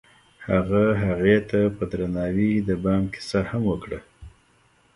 هغه هغې ته په درناوي د بام کیسه هم وکړه.